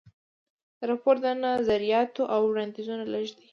راپور د نظریاتو او وړاندیزونو لیږد دی.